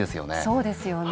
そうですよね。